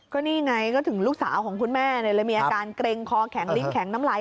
ก็นี่ไงก็ถึงลูกสาวของคุณแม่เลยมีอาการเกร็งคอแข็งลิ้นแข็งน้ำไหล